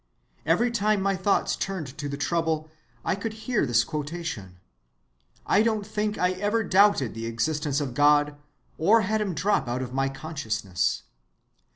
Every time my thoughts turned to the trouble I could hear this quotation. I don't think I ever doubted the existence of God, or had him drop out of my consciousness.